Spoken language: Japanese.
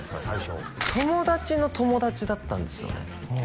最初友達の友達だったんですよね